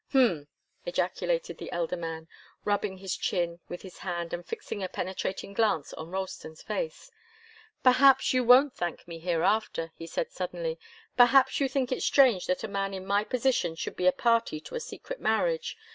"Hm!" ejaculated the elder man, rubbing his chin with his hand and fixing a penetrating glance on Ralston's face. "Perhaps you won't thank me hereafter," he said suddenly. "Perhaps you think it strange that a man in my position should be a party to a secret marriage.